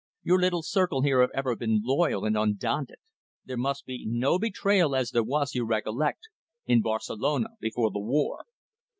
Your little circle here have ever been loyal and undaunted. There must be no betrayal, as there was, you recollect, in Barcelona before the war."